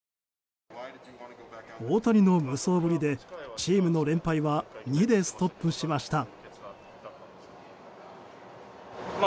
大谷の無双ぶりでチームの連敗は２でストップしました。